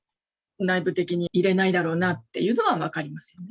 内部的に入れないだろうなというのは分かりますよね。